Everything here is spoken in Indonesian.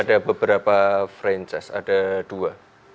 ada beberapa franchise ada dua